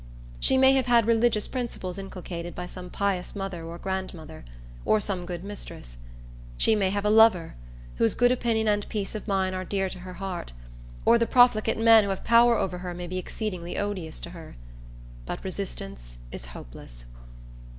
She may have had religious principles inculcated by some pious mother or grandmother, or some good mistress; she may have a lover, whose good opinion and peace of mind are dear to her heart; or the profligate men who have power over her may be exceedingly odious to her. But resistance is hopeless.